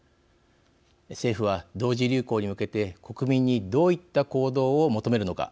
政府は同時流行に向けて国民にどういった行動を求めるのか。